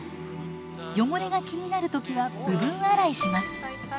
汚れが気になる時は部分洗いします。